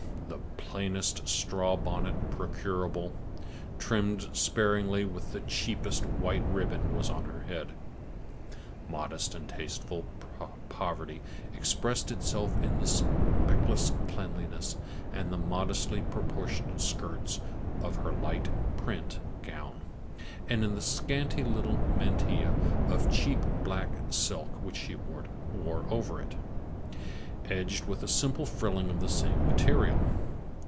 The plainest straw bonnet procurable, trimmed sparingly with the cheapest white ribbon, was on her head. Modest and tasteful poverty expressed itself in the speckless cleanliness and the modestly proportioned skirts of her light "print" gown, and in the scanty little mantilla of cheap black silk which she wore over it, edged with a simple frilling of the same material.